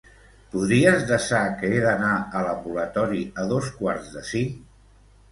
Podries desar que he d'anar a l'ambulatori a dos quarts de cinc?